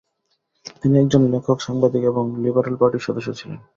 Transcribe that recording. তিনি একজন লেখক, সাংবাদিক এবং লিবারাল পার্টির সদস্য ছিলেন ।